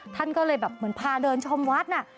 ท่านก็เลยแบบเหมือนพาเดินชมวัดน่ะ